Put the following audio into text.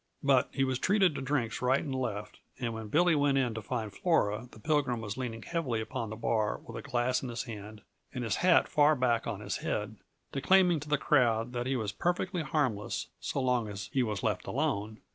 But he was treated to drinks right and left, and when Billy went to find Flora the Pilgrim was leaning heavily upon the bar with a glass in his hand and his hat far back on his head, declaiming to the crowd that he was perfectly harmless so long as he was left alone.